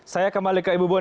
saya kembali ke ibu boni